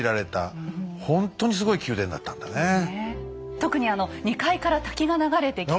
特にあの２階から滝が流れてきて。